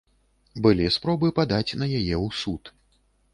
Былі спробы падаць на яе ў суд.